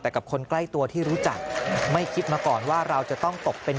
แต่กับคนใกล้ตัวที่รู้จักไม่คิดมาก่อนว่าเราจะต้องตกเป็น